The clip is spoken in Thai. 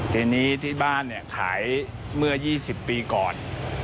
ทีนี้ที่บ้านเนี่ยขายเมื่อ๒๐ปีก่อน